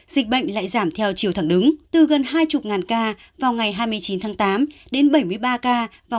dịch bệnh lại giảm theo chiều thẳng đứng từ gần hai mươi ca vào ngày hai mươi chín tháng tám đến bảy mươi ba ca